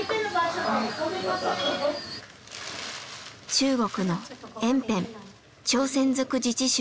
中国の延辺朝鮮族自治州の出身。